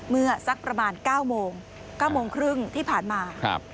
เมื่อสักประมาณ๙โมง๙โมงครึ่งที่ผ่านมา